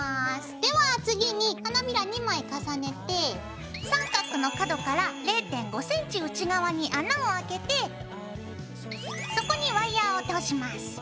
では次に花びら２枚重ねて三角の角から０．５ｃｍ内側に穴をあけてそこにワイヤーを通します。